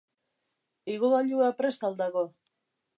Igogailua prest al dago?